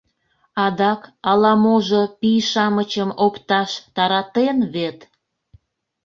Адак ала-можо пий-шамычым опташ таратен вет...